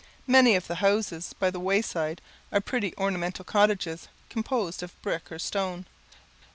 Many of the houses by the wayside are pretty ornamental cottages, composed of brick or stone.